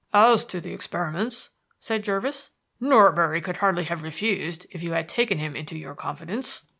"As to the experiments," said Jervis, "Norbury could hardly have refused if you had taken him into your confidence."